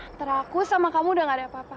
antara aku sama kamu udah gak ada apa apa